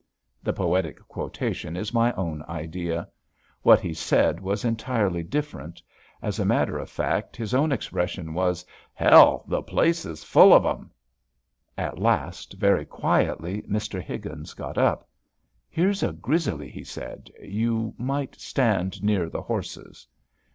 The poetic quotation is my own idea. What he said was entirely different. As a matter of fact, his own expression was: "Hell, the place is full of them!" At last, very quietly, Mr. Higgins got up. "Here's a grizzly," he said. "You might stand near the horses."